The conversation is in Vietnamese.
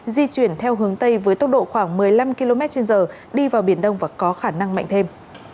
di chuyển theo hướng tây với tốc độ khoảng một mươi năm km trên giờ đi vào biển đông và có khả năng mạnh thêm